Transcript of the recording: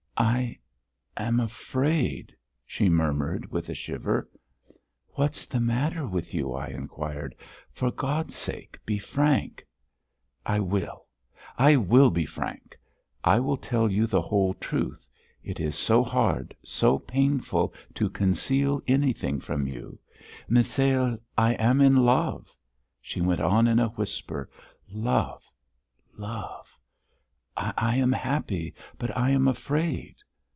"I am afraid...." she murmured, with a shiver. "What's the matter with you?" I inquired. "For God's sake, be frank!" "I will, I will be frank. I will tell you the whole truth. It is so hard, so painful to conceal anything from you!... Misail, I am in love." She went on in a whisper. "Love, love.... I am happy, but I am afraid."